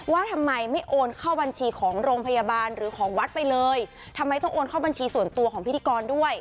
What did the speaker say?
ว่าทำไมไม่โอนเข้าบัญชีของโรงพยาบาลหรือของวัดไปเลยทำไมต้องโอนเข้าบัญชีส่วนตัวของพิธีกรด้วย